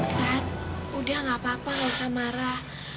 sat udah gak apa apa gak usah marah